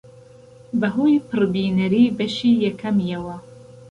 بەهۆی پڕبینەری بەشی یەکەمیەوە